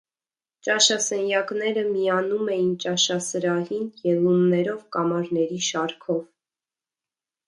Ճաշասենյակները միանում էին ճաշասրահին ելուններով կամարների շարքով։